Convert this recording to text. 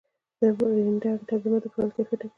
د رېنډر تنظیمات د فایل کیفیت ټاکي.